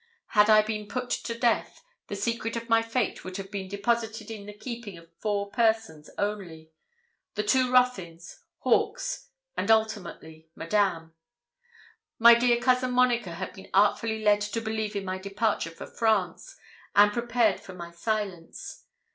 Had I been put to death, the secret of my fate would have been deposited in the keeping of four persons only the two Ruthyns, Hawkes, and ultimately Madame. My dear cousin Monica had been artfully led to believe in my departure for France, and prepared for my silence.